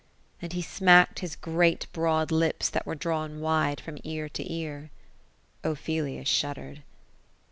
And he smacked his great broad lips, that were drawn wide from ear to ear. Ophelia shuddered.